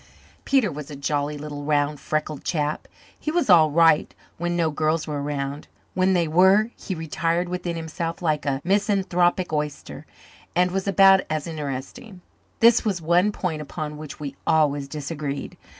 Peter was a jolly little round freckled chap. He was all right when no girls were around; when they were he retired within himself like a misanthropic oyster, and was about as interesting. This was the one point upon which we always disagreed.